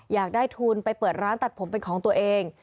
อยากได้ทุนไปเปิดร้านตัดผมเป็นของตัวเอง